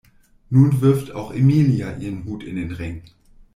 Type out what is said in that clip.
Nun wirft auch Emilia ihren Hut in den Ring.